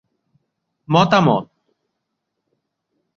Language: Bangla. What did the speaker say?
মতামত